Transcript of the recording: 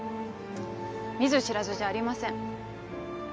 見ず知らずじゃありません。